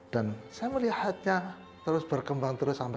dan saya melihatnya terus berkembang sampai saat ini